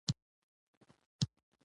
پروفیسر راز محمد راز فلسفي شاعر وو.